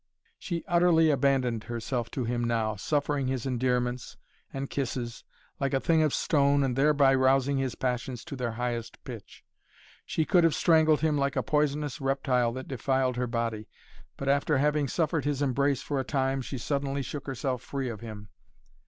She utterly abandoned herself to him now, suffering his endearments and kisses like a thing of stone and thereby rousing his passions to their highest pitch. She could have strangled him like a poisonous reptile that defiled her body, but, after having suffered his embrace for a time, she suddenly shook herself free of him.